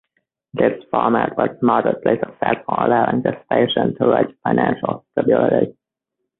This format was moderately successful allowing the station to reach financial stability.